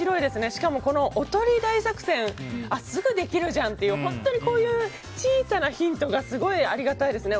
しかも、おとり大作戦すぐできるじゃんって本当にこういう小さなヒントがすごいありがたいですね。